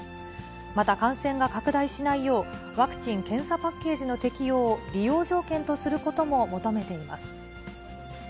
また感染が拡大しないよう、ワクチン・検査パッケージの適用を利用条件とすることも求めています。